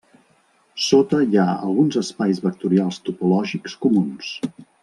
Sota hi ha alguns espais vectorials topològics comuns.